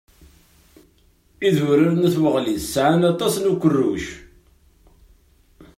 Idurar n At Weɣlis sɛan aṭas n ukerruc.